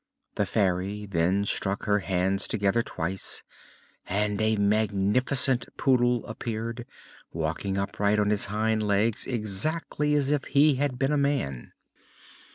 '" The Fairy then struck her hands together twice and a magnificent Poodle appeared, walking upright on his hind legs exactly as if he had been a man.